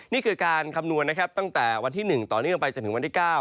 นี่คือการคำนวณนะครับตั้งแต่วันที่๑ต่อเนื่องไปจนถึงวันที่๙